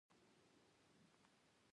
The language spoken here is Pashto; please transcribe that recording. علي د خپل لاس خواري خوري.